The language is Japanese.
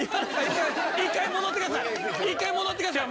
一回戻ってください。